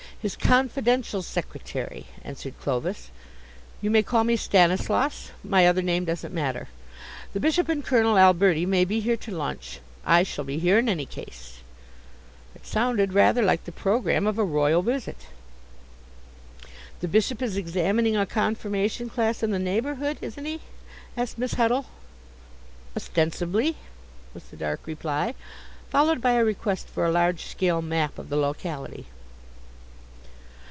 "His confidential secretary," answered Clovis. "You may call me Stanislaus; my other name doesn't matter. The Bishop and Colonel Alberti may be here to lunch. I shall be here in any case." It sounded rather like the programme of a Royal visit. "The Bishop is examining a confirmation class in the neighbourhood, isn't he?" asked Miss Huddle. "Ostensibly," was the dark reply, followed by a request for a large scale map of the locality.